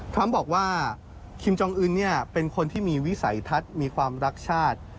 บอกว่าคิมจองอื่นเป็นคนที่มีวิสัยทัศน์มีความรักชาติ